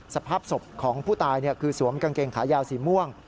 สภาพศพของผู้ตายคือสวมกางเกงขายาวสีม่วง